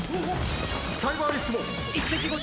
サイバーリスクも！